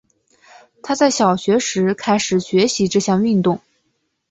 她在小学时开始学习这项运动。